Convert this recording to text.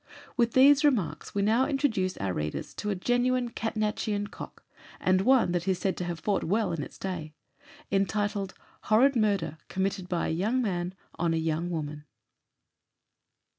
With these remarks we now introduce our readers to a genuine Catnachian "Cock," and one that is said to have "fought well in its day," entitled, "Horrid Murder Committed by a Young Man on a Young Woman."